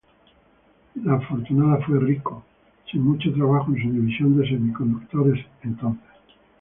La afortunada fue Ricoh, sin mucho trabajo en su división de semiconductores entonces.